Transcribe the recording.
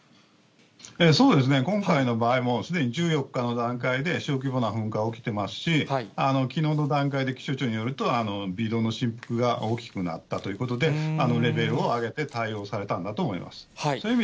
そうですね、今回の場合もすでに１４日の段階で、小規模な噴火が起きてますし、きのうの段階で、気象庁によると微量の振幅が大きくなったということで、レベルを上げて対応されたんだと思います。